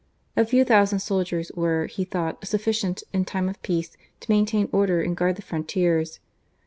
A few thousand soldiers were, he thought, sufficient, in time of peace, to maintain order and guard the frontiers.